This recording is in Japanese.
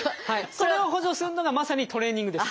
それを補助するのがまさにトレーニングです。